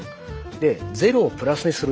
でゼロをプラスにする。